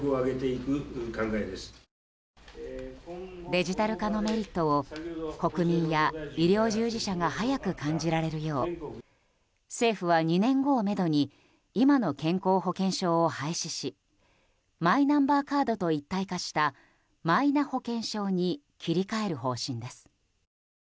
デジタル化のメリットを国民や医療従事者が早く感じられるよう政府は２年後をめどに今の健康保険証を廃止しマイナンバーカードと一体化したマイナ保険証に切り替える方針です。